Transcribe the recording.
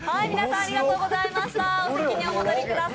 ありがとうございます。